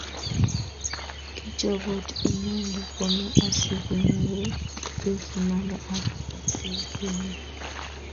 kichobot inende kome asikunyoru biik imanda ak kerkeindo